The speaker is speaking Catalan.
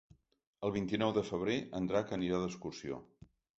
El vint-i-nou de febrer en Drac anirà d'excursió.